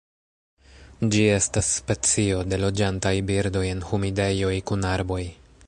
Ĝi estas specio de loĝantaj birdoj en humidejoj kun arboj.